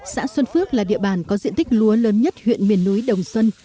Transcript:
xã xuân phước là địa bàn có diện tích lúa lớn nhất huyện miền núi đồng xuân